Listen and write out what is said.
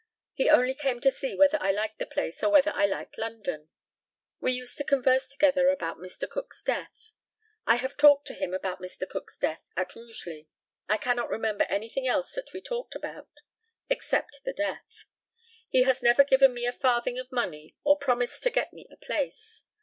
He only came to see whether I liked the place or whether I liked London. We used to converse together about Mr. Cook's death. I have talked to him about Mr. Cook's death at Rugeley. I cannot remember anything else that we talked about except the death. He has never given me a farthing of money or promised to get me a place.